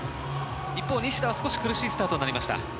一方、西田は少し苦しいスタートになりました。